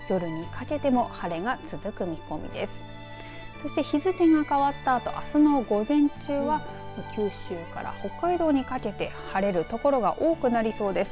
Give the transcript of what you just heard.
そして、日付が変わったあとあすの午前中は九州から北海道にかけて晴れる所が多くなりそうです。